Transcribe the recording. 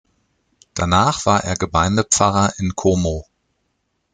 Danach war er Gemeindepfarrer in Como.